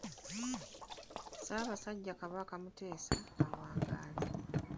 Ssaabasajja Kabaka Mutesa awangaale.